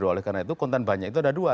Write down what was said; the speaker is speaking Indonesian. oleh karena itu konten banyak itu ada dua